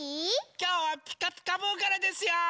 きょうは「ピカピカブ！」からですよ！